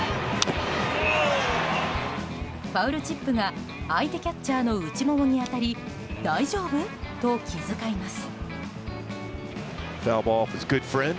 ファウルチップが相手キャッチャーの内ももに当たり大丈夫？と気遣います。